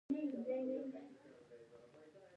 خوب مې ولیدی د وړانګو